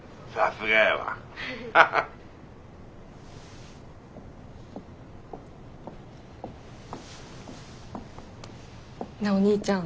ハハッ。なあお兄ちゃん。